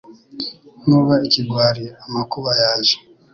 Nuba ikigwari amakuba yaje